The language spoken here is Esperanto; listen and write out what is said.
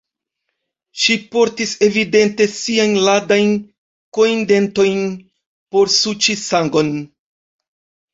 Ŝi portis, evidente, siajn ladajn kojndentojn, por suĉi sangon.